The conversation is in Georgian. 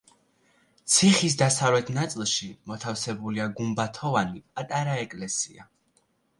ციხის დასავლეთ ნაწილში მოთავსებულია გუმბათოვანი პატარა ეკლესია.